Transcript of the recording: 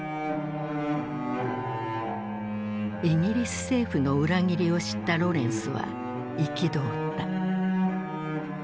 イギリス政府の裏切りを知ったロレンスは憤った。